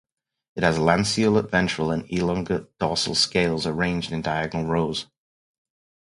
It has lanceolate ventral and elongate dorsal scales arranged in diagonal rows.